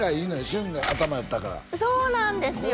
旬が頭やったからそうなんですよ